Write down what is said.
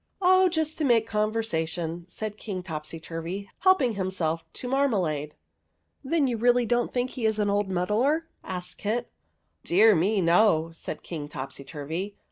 " Oh, just to make conversation," said King Topsyturvy, helping himself to marmalade. " Then you don't really think he is an old muddler ?" asked Kit. " Dear me, no," said King Topsyturvy.